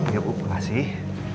ya bu makasih